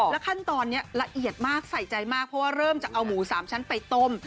ขั้นตอนนี้ละเอียดมากใส่ใจมากเพราะว่าเริ่มจะเอาหมู๓ชั้นไปต้ม